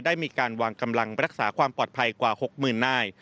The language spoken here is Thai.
ได้มีการวางกำลังรักษาความปลอดภัยกว่า๖๐๐๐นาย